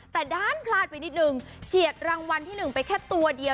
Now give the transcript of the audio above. แต่ด้านพลาดไปนิดนึงเฉียดรางวัลที่๑ไปแค่ตัวเดียว